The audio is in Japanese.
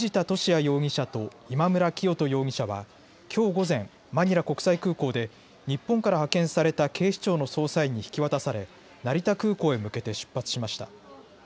容疑者と今村磨人容疑者はきょう午前、マニラ国際空港で日本から派遣された警視庁の捜査員に引き渡され成田空港へ向けて出発しました。